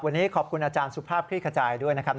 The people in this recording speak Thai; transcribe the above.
วันนี้ขอบคุณอาจารย์สุภาพคลี่ขจายด้วยนะครับ